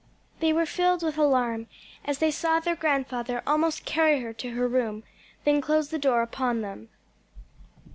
They were filled with alarm as they saw their grandfather almost carry her to her room, then close the door upon them.